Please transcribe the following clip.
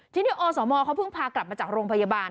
ทีนี้อสมเขาเพิ่งพากลับมาจากโรงพยาบาล